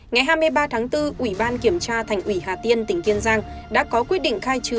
ngày hai mươi ba tháng bốn ủy ban kiểm tra thành ủy hà tiên tỉnh kiên giang đã có quyết định khai trừ